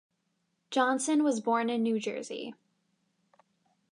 Johnson was born in New Jersey.